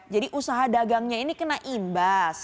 jadi usaha dagangnya ini kena imbas